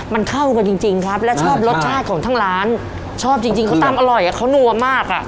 มันเข้ากันจริงครับและชอบรสชาติของทางร้านชอบจริงจริงเขาตำอร่อยอ่ะเขานัวมากอ่ะ